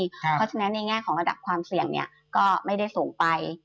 เพราะฉะนั้นในแง่ของระดับความเสี่ยงเนี่ยก็ไม่ได้สูงไป